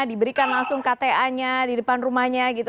diberikan langsung kta nya di depan rumahnya gitu